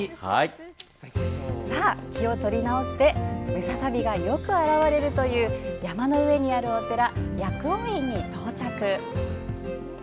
さあ気を取り直してムササビがよく現れるという山の上にあるお寺、薬王院に到着。